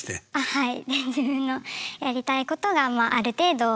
はい。